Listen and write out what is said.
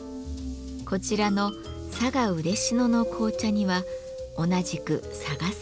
こちらの佐賀・嬉野の紅茶には同じく佐賀産のようかん。